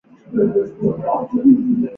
这块地区称为比萨拉比亚。